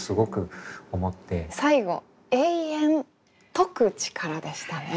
最後「永遠解く力」でしたね。